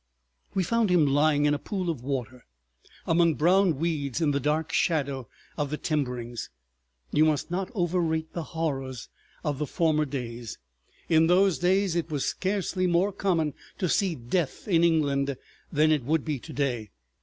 We found him lying in a pool of water, among brown weeds in the dark shadow of the timberings. You must not overrate the horrors of the former days; in those days it was scarcely more common to see death in England than it would be to day.